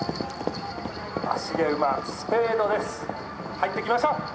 入ってきました。